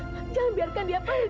jangan biarkan dia pergi